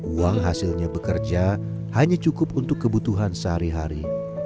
uang hasilnya bekerja hanya cukup untuk kebutuhan sehari hari